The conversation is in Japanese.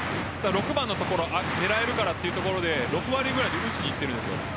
６番の所を狙えるからというところで６割くらいで打ちにいっているんです。